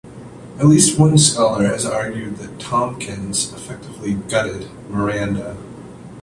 At least one scholar has argued that "Thompkins" effectively gutted "Miranda".